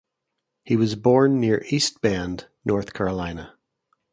He was born near East Bend, North Carolina.